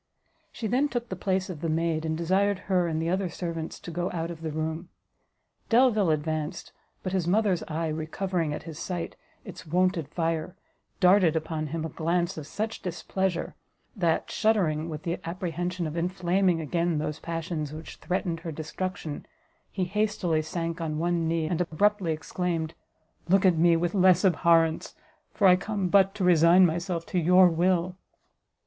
She then took the place of the maid, and desired her and the other servants to go out of the room. Delvile advanced, but his mother's eye, recovering, at his sight, its wonted fire, darted upon him a glance of such displeasure, that, shuddering with the apprehension of inflaming again those passions which threatened her destruction, he hastily sank on one knee, and abruptly exclaimed, "Look at me with less abhorrence, for I come but to resign myself to your will."